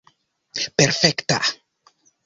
perfekta